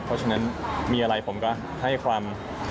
เพราะฉะนั้นมีอะไรผมก็ให้ความ